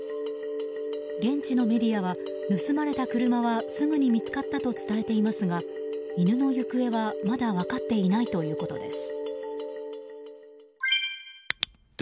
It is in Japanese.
現地のメディアは盗まれた車はすぐに見つかったと伝えていますが犬の行方は、まだ分かっていないということです。